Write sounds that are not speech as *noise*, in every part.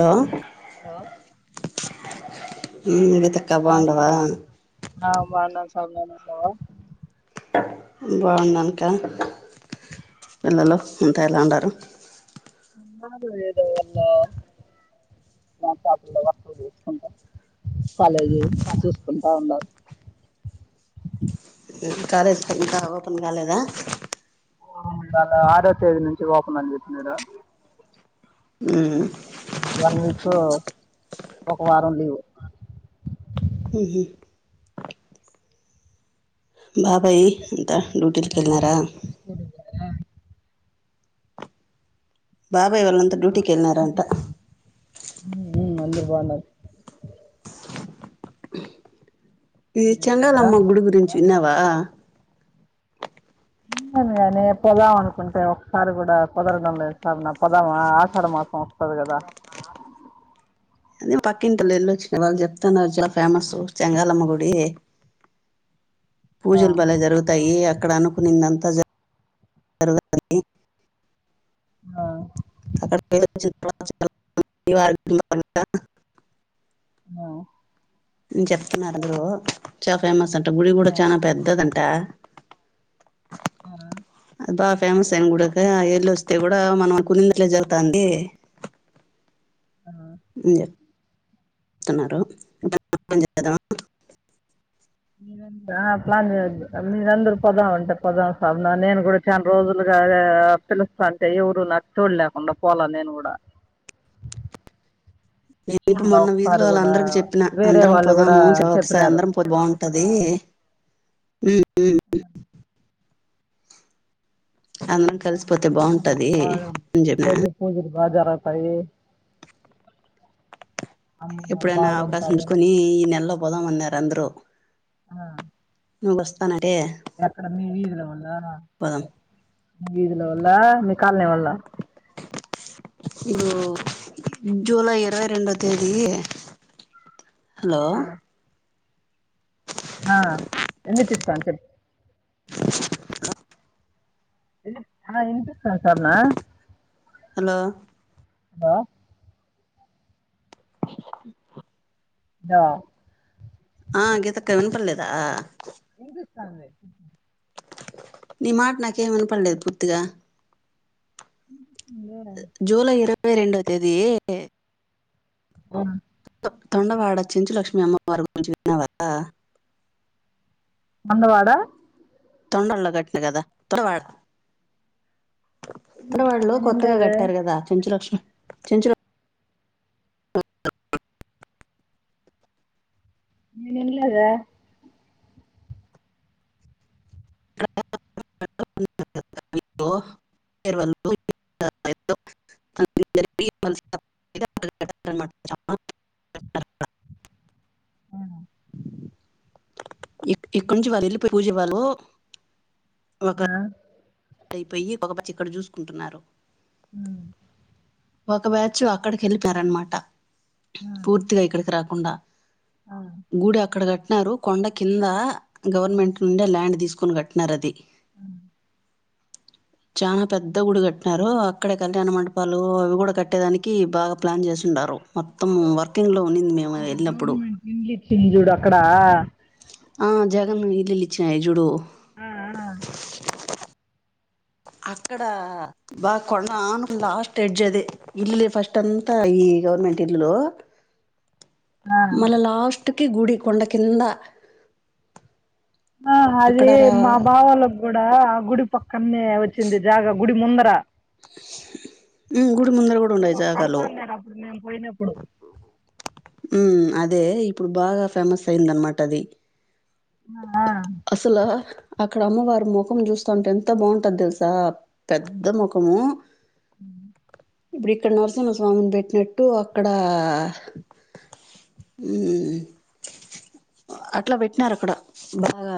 లో హలో నిన్ తిడుతా ఆ సామి ఆ బాగున్నం సామి బావున్నావా బావునాను అకా పిల్లలు అంత ఎలా ఉండారు నాకు తేలిదె అవన్నీ మా పాపు లెవెన్ కు చేసుకుంటా కాలేజీ చేసుకుంటా ఉండారు మీ కాలేజ్ ఇంకా ఓపెన్ గాలేద ఆ వాళ్ళు ఆరో తేదీ నుంచి ఓపెన్ అని చెప్నాడు ఊమ్ వన్ వీక్ ఒక వారం లీవ్ ఊహు బాబాయి అంత డ్యూటీలకెళ్నారా చూడు ఆ బాబాయి వాళ్లంతను ఊ ఊ అందరు బావున్నారు ఇది మీరు బాగున్నారా చెండాలమ్మ గుడి గురించి విన్నావా కానీ పదాం అనుకుంటే ఒకసారి కూడా కుదరడం లేదు సార్ నా పొదాం ఆషాఢ మాసం అది. కదా అదే పక్కింటోల్లు వెళ్ళొచ్చినా వాళ్ళు చెప్తాన్నారు చాలా ఫేమస్ చెంగాలమ్మ గుడి ఆ పూజలు భలే జరుగుతాయి అక్కడ అనుకునిందంతా జరుగుతయి ఆ అక్కడ కి యెల్లోచ్చిన తరువాత చాల *unintelligible* ఆ ను చెప్తున్నారు అందరు చాలా ఫేమస్ అంట గుడి ఆ కూడా చానా పెద్దదంట ఆ బా ఫేమస్ అయిన గుడక్క ఎల్లోస్తే కూడా మనం అకున్నినట్లే జరుగుతుంది ఆ ఇంగ తన్నారు *unintelligible* మీరంత ఆ ప్లాన్ చేద్దాం మీరందరూ పొదామంటె పోదాం సబ్న నేను కూడా చానా రోజులుగా అదే పిలుస్తంటే ఎవరు నాకు తోడు లేకుండా పోల నేను కూడా ఇపుడు చూడలే మొన్న వీధిలో ఒకసారి కూడా వాళ్ళందరికీ చెప్పినా వేరే అందరం వాళ్ళు కూడా పోదాము జ ఒకసారి చెప్పినారు అందరం పోతే బాగుంటది ఉమ్ ఉమ్ అ అందరం కలిసిపోతే అన్నారు బాగుంటది బాగా అని చెప్పిన రోజు పూజలు బా జరగతాయి అమ్మవారు ఎప్పుడైనా అవకాశం బాగుంటాయి చుసుకొని ఈ నెలలో పోదామన్నారు అందరు ఆ నువ్ వస్తానంటే ఎక్కడ మీ వీధుల వాళ్ల పోదాం మీ వీధుల వాల్ల మీ కాలనీ వాళ్ళ ఇస్ ఇబుడు జులై ఇరవై రెండో తేదీ హలో ఆ ఎందుకు ఇస్తాను చెప్పు ఆ ఇనిపిస్తాంది సర్ణ హలో హ దవ *inaudible* ఆ గీతక్క వినపడలేదా వినిపిస్తాంది నీ మాట నాకేమి వినపడలేదు పూర్తిగా మేడం జూలై ఇరవై రెండో తేదీ బమ్ *unintelligible* తొండవాడ చెంచులక్ష్మి అమ్మవారి గురించి *unintelligible* మందవాడ తొండల్లో కట్టిన కదా తొండవాడ ఉత్తరవాడలో నేను కొత్తగా లేదే కట్టారు కదా చెంచులక్ష్మి చెంచుల ఆ *inaudible* నేన్ ఇన్లేదే *inaudible* *inaudible* *inaudible* చాలా అవునా ఇక్ ఇక్కడి నుంచి వాళ్ళు వెళ్ళిపోయి పూజవాళ్ళు ఆ అయిపోయి ఒకపచ్చి *inaudible* ఇక్కడ చూసుకుంటున్నారు ఊమ్ ఒక బ్యాచ్ అక్కడికి వెళ్ళిపోయారన్నమాట పూర్తిగా ఇక్కడికి రాకుండా ఆ, గుడి అక్కడ కట్టినారు కొండ కింద గవర్నమెంట్ నుండే ల్యాండ్ తీసుకొని కట్టి నార్అది ఉ చాలా పెద్ద గుడి కట్టినారు అక్కడే కళ్యాణ మంటపాలు అవి కూడా కట్టేదానికి బాగా ప్లాన్ చేసిన్నారు మొత్తం వర్కింగ్ లో ఉన్నిందిమ అంటే గవర్నమెంట్ ఇండ్లు ఇచ్చింది చూడు అక్కడ ఆ జగను ఇల్లులి ఇచ్చినాయి జూడు అ ఆ అక్కడ బాగా కొండానుకుని లాస్ట్ ఎడ్జ్ అదే ఇల్లులే ఫస్ట్ అంతా ఈ గవర్నమెంట్ ఇల్లులు ఆ. మన లాస్ట్ కి గుడి కొండ కింద ఆ అక్కడ అదే రా మా బావా లొ కూడా ఆ గుడి పక్కనే వచ్చింది జాగ గుడి ముందర ఉ గుడి ముందర కూడా ఉండయి జాగలో ఇప్పుడు మేమ్ పోయినప్పుడు ఊమ్ అదే ఇప్పుడు బాగా ఫేమస్ అయిందనమాట అది అ అసల అక్కడ అమ్మవారి ముఖం చూస్తుంటే ఎంత బాగుంటది తెలుసా పెద్ద ముఖము ఇప్పుడు ఇక్కడ నరసింహస్వామిని పెట్టినట్టు అక్కడ ఊమ్ అట్ల పెట్టినారు అక్కడ బాగా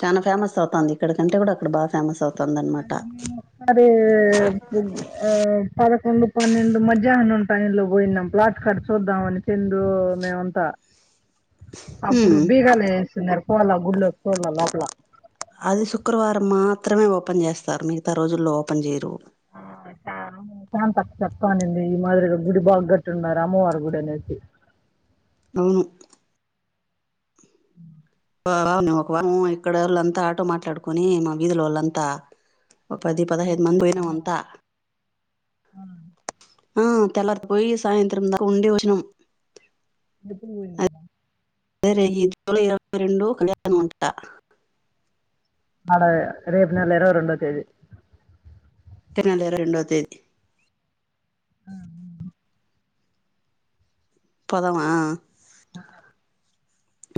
చానా ఫేమస్ అవుతాంది ఇక్కడకంటే కూడా అక్కడ బాగా ఫేమస్ అవ్ అది నేను అదే ఆ పదకొండు పన్నెండు మధ్యాహ్నం టైంలో పోయినాం ప్లాట్ అక్కడ చుద్దామని చెందు మేమంత ఇస్ అప్పుడు బీగాలు వేసున్నారు పోల గుళ్లో పోలా *unintelligible* అది శుక్రవారం మాత్రమే ఓపెన్ చేస్తారు మిగతా రోజుల్లో ఓపెన్ చేయరు ఆ *inaudible* శాంతక్క అక్కనింది ఈ మాదిరిగ గుడి బాగ్గట్టు ఉన్నారు అమ్మవారి గుడి అనేసి అవును ఒక ఇక్కడ వాళ్ళంతా ఆటో మాట్లాడుకొని మా వీధిల వాళ్ళంతా ఓ పది పదహైదు మంది పోయినారా పోయినం అంతా ఆ తెల్లవారి పోయి సాయంత్రం దాకా ఉండి వచినం *unintelligible* సరే ఈ జూలై ఇరవై రెండు కళ్యాణం *unintelligible* ఆడే రేపు నెల ఇరవై రెండో తేదీ *unintelligible* రెండో తేదీ పోదామా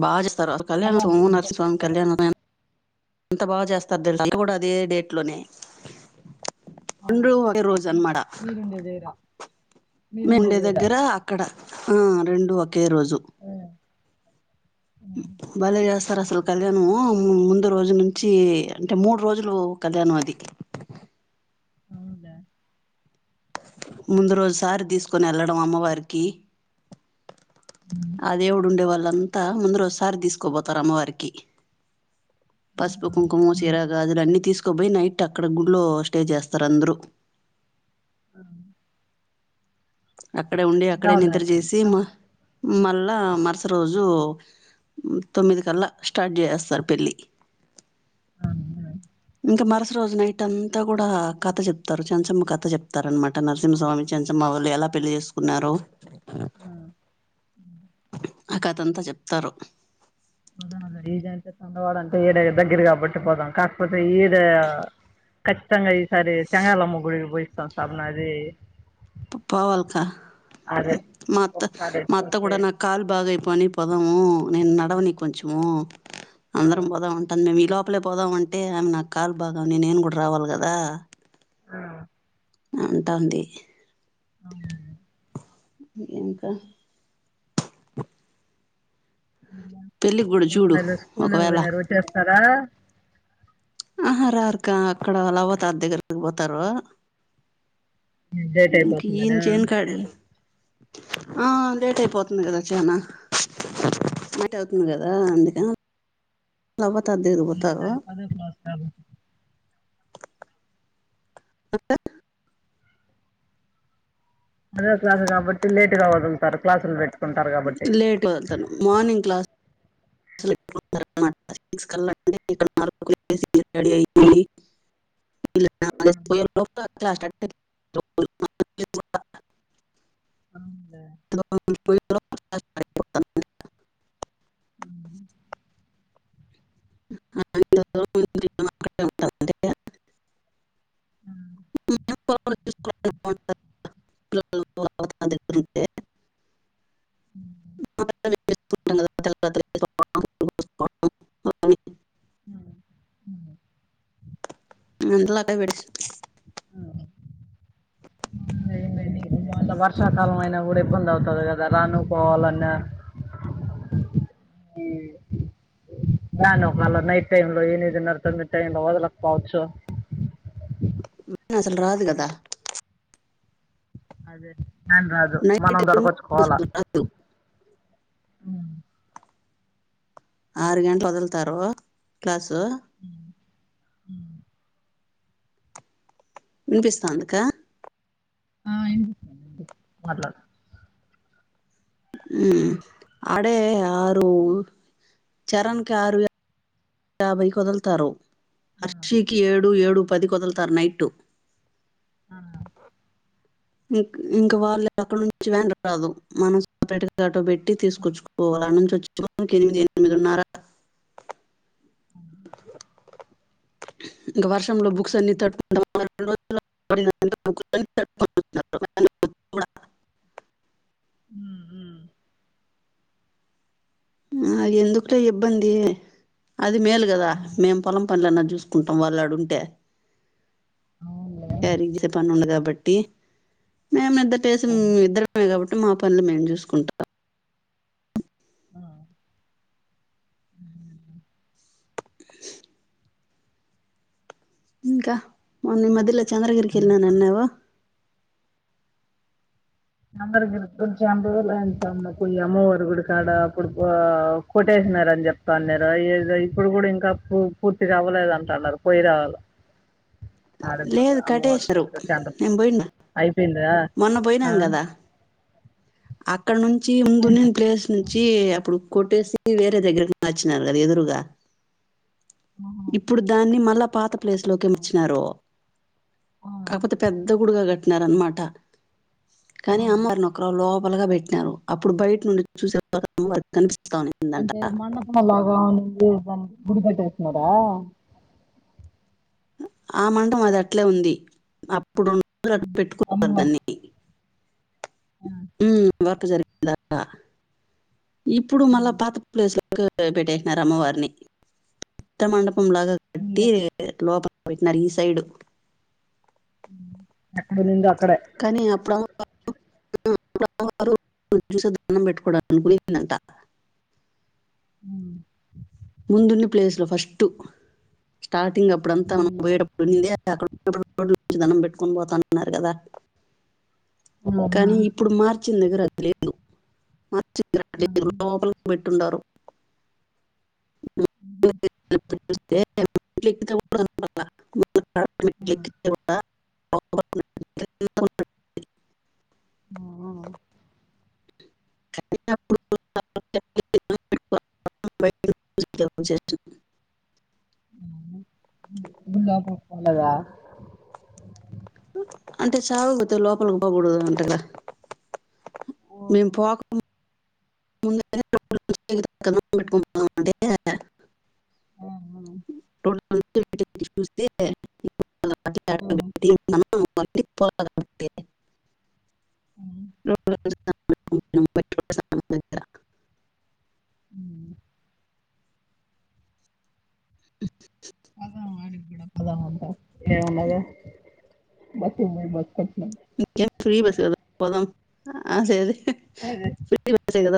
బా చేస్తారు పదాం నీళ్ళు పట్టే పదాం *unintelligible* అంత బాగ చేస్తారు *unintelligible* అంత కూడా అదే డేట్లోనే అవునా రెండు ఒకే రోజు మీ- అనమాట *unintelligible* *unintelligible* మీరుండేదేరా దగ్గర అక్కడ రెండు ఒకే రోజు బలే చేస్తారు అసలు కళ్యాణము ముందు రోజు నుంచి అంటే మూడు రోజులు కళ్యాణం అది ఆ ముందు రోజుసారి తీసుకోని వెళ్ళడం అమ్మవారికి ఆ దేవుడు ఉండేవాళ్ళంతా ముందు రోజు సారి తీసుకోపోతారు అమ్మవారికి పసుపు కుంకుమ చీరగాదులు అన్ని తీసుకోబోయి నైట్ అక్కడ గుళ్లో స్టే చేస్తారు అందరు అ అక్కడే ఉండి అక్కడే పోదాంలే నిద్ర చేసి మ మళ్ళా మరుస రోజు తొమ్మిది కల్లా స్టార్ట్ చేసెస్తారు పెళ్ళి. ఇంకా మరుస రోజు నైట్ అంతా కూడా కథ చెప్తారు చెంచమ్మ కథ చెప్తారునమాట నరసింహస్వామి చెంచమ్మ వాళ్ళు ఎలా పెళ్లి చేసుకున్నారో ఆ ఆ కథంత చెప్తారు పోదాను ఈజ అండవాడంటే ఈడ దగ్గర కాబట్టి పోదాం కాకపోతే ఈడే ఖచ్చితంగా ఈసారి చెంగాలమ్ గ్గుడికి పోయిస్తాం *unintelligible* పవల్కా అదే మ మత్త ఒకసారి మా అత్త చూసి కూడా న *unintelligible* పోదము నేను నడవని కొంచము ఆ అందరం పోదాం ఉంటుంది మేము ఈ లోపలే పోదామ అంటే ఆమె నాకు కాలు బాగాని నేను కూడా రావాలి కద ఆ అంటంది అవునులే ఇంకా పెళ్ళికి కూడా ఒక చూడు నెల స్కూలు ఒకవేళ వినరు చేస్తారా ఆహ రార్కా అక్కడ లవతార్ దగ్గర పోతారు లేట్ ఇంక ఏం అయిపోతుందనా చేను కాడ ఆ లేట్ అయిపోతుంది కదా అట్ట అయిన లేట్ అవుతుంది కదా అందుకని వాళ్ళ అవ్వ దగిరిపోతారు అ అదే క్లాస్ కాబట్టి లేటుగావదులుతారు క్లాసులు పెట్టి లేట్గా వస్తాను మార్నింగ్ క్లాస్ *inaudible* *inaudible* అవునులే *inaudible* క్లాస్ స్టార్ట్ అయిపోతుంది. ఆ *inaudible* *inaudible* *inaudible* అ *inaudible* పువ్వులు కోసుకోవడం *inaudible* ఆ *inaudible* వర్షాకాలం అయినా కూడా ఇబ్బంది అవుతది కదా రానుపోవాలన్నా రాను మల్లా నైట్ టైమ్ లో ఏనిదిన్నర నర తొమ్మిది టైమ్ లో వదలకపోవచ్చు అసలు రాదు కదా అదే నని రాదు మనం నైట్ దొడకొచ్చుకోవాల రాదు ఆరు గంటలు వదులుతారు క్లాసు వినిపిస్తోంది క ఆ ఏంది మాట్లాడు అడే ఆరు చరణ్ కి ఆరు యాభై కదలుతారు హర్షికి ఏడు ఏడు పదికికదులుతారు నైట్ ఆ ఇం ఇంకా వాళ్ళు అక్కడ నుంచి వెన్ రాదు మనం సపరేట్గా ఆటో పెట్టి తీసుకొచ్చు పోవాలి ఆడ నుంచి వచ్చేటప్పటికి ఎనిమిది ఎనిమిదిన్నర ఇంకా వర్షంలో బుక్స్ అన్ని తడుచూకుంటా *inaudible* *inaudible* ఉ ఆనా ఎందుకులే ఇబ్బంది అది మేలు కదా ఉమ్. మేము పొలం పనులన్న జూసు కుంటాం వాళ్లు ఆడుంటే అవునులే తెరుగేసే పనంది కాబట్టి మేమందు పెద్ద పేస ఇద్దరమే కాబట్టి మా పనులు మేము చూసుకుంటాం ఆ ఉహుహు ఇంకా మొన్న ఈ మధ్య లో చంద్రగిరికి వెల్నావ్ అన్నావు అందరు కూడా కొంచెం చంద్రగిరి లో అంత పోయి అమ్మవారి గుడి కాడ కొడుకో కొట్టేసినార అని చెప్తాన్నారు ఏదో ఇప్పుడు కూడా ఇంకా పూ పూర్తిగా అవ్వలేదంటున్నారు పోయి రావాల లేదు కటేషరు నేన్ పోయిండా అయిపోయింద మొన్న పోయినాం కదా అక్కడ నుం చి ముందు ఉన్నిన అయిపో- ప్లేస్ నుంచి అప్పుడు కొట్టేసి వేరే దగ్గరకి మాచ్చినారు కదా ఎదురుగా ఆహా. ఇప్పుడు దాన్ని మళ్ళా పాత ప్లేస్ లోక వచ్చినారు ఆ కాకపోతే పెద్ద గుడిగా కట్టినారన్మాట ఆ కానీ అమ్మారిని ఒకరు లోపలగా పెట్టినారు అప్పుడు బయట నుండి చూసే అమ్మవారు కనిపిస్తంనిందంట మల్లాగా మళ్ళీ దానికి గుడి కట్టేసినారా ఆ మండం అది అట్లే ఉంది అప్పుడు పెట్టుకో అమ్మవారు దాన్ని ఉ వర్క్ జరిగిందట్ట ఇప్పుడు మళ్ళా పాత ప్లేస్ లోకి పెట్టేసినారు అమ్మవారిని కొత్త మండపం లాగా కట్టి లోపల పెట్టినారు ఈ సైడు ఎక్కడ ఉన్నింది అక్కడే కానీ అప్పుడు చూసి దన్నం పెట్టుకోవడానికి ఉన్నిందంట ఊ ముందున్ని ప్లేసు లో ఫస్ట్ స్టార్టింగ్ అప్పుడంతా మనం అవునులే పోయేటప్ ఉంది అక్కడ నిలబడి రోడ్ నుంచి దండం పెట్టుకొని పోతానన్నారు కదా ఆ, కానీ ఆ, ఇప్పుడు మార్చిన దగ్గర అది లేదు మార్చిన ఆ, దగ్గర లోపలికి పెట్టుండారు చూేతే ఆ, ఓ అ ఆ కాని అప్పుడు ఉంద కొక్కొలదా అంటే చావుకుపోతే లోపలికి పోకూడదు అంటరుగా మేము ఓహో పోక ము పెట్టుకుంటం అంటే ట చూ పో సంబం ఊ అ ఏమ్మున్నది బస్ కి పోయి బస్ కి వచ్చినం ఫ్రీ బస్ కదా పోదం ఆ సేది అదే ఫ్రీ